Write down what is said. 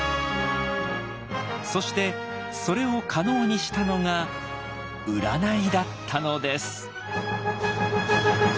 そしてそれを可能にしたのが「占い」だったのです。